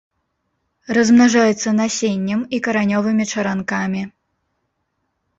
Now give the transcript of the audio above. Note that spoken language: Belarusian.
Размнажаецца насеннем і каранёвымі чаранкамі.